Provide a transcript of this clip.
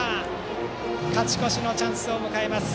勝ち越しのチャンスを迎えます